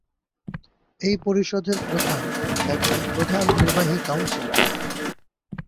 এই পরিষদের প্রধান একজন "প্রধান নির্বাহী কাউন্সিলর"।